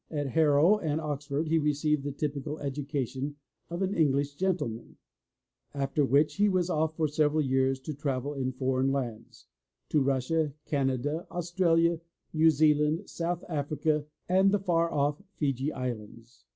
At Harrow and Oxford he received the typical educa tion of an English gentleman, after which he was off for several years of travel in foreign lands — to Russia, Canada, Aus tralia, New Zealand, South Africa and the far off Fiji Islands.